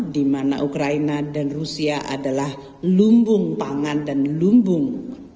di mana ukraina dan rusia adalah lumbung pangan dan lumbung